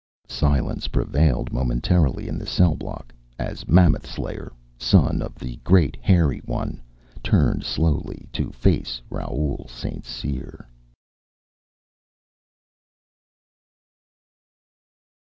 Silence prevailed, momentarily, in the cell block as Mammoth Slayer, son of the Great Hairy One, turned slowly to face Raoul St. Cyr.